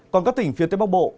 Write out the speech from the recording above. còn các tỉnh phía tây bắc bộ